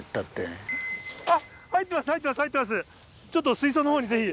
ちょっと水槽のほうにぜひ！